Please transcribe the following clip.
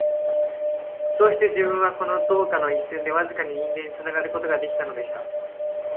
そうして自分は、この道化の一線でわずかに人間につながる事が出来たのでした